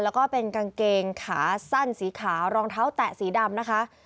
แล้วก็เป็นกางเกงขาสั้นสีขาวรองเท้าแตะสีดำนะคะ